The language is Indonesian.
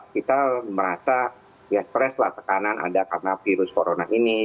kita merasa ya stres lah tekanan ada karena virus corona ini